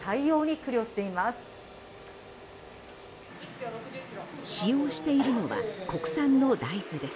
使用しているのは国産の大豆です。